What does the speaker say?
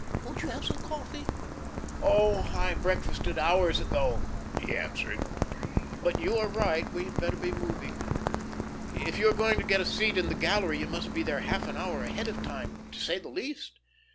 Won't you have some coffee?" "Oh, I breakfasted hours ago," he answered. "But you are right. We had better be moving. If you are going to get a seat in the gallery, you must be there half an hour ahead of time, to say the least.